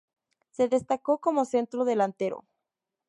Se destacó como centrodelantero.